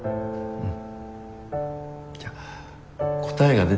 うん？